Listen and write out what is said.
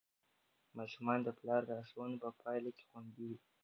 ماشومان د پلار لارښوونو په پایله کې خوندي وي.